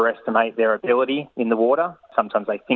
mungkin mereka mengagumkan kemampuan mereka di air